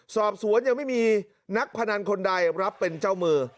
สอบสวนยังไม่มีนักพนันคนใดรับเป็นเจ้ามือ